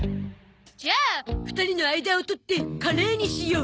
じゃあ２人の間をとってカレーにしよう。